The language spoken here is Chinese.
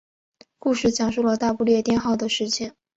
故事讲述了大不列颠号的事情。